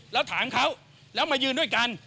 แล้วถามเขาแล้วมายืนด้วยกัน